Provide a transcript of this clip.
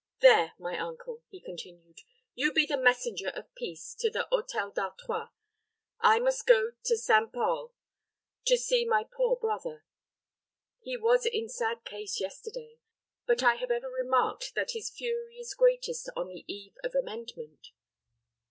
"There, my uncle," he continued, "you be the messenger of peace to the Hôtel d'Artois. I must go to Saint Pol to see my poor brother. He was in sad case yesterday; but I have ever remarked that his fury is greatest on the eve of amendment.